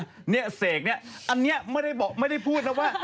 เหรอเนี่ยเสกเนี่ยอันนี้ไม่ได้บอกไม่ได้พูดนะว่า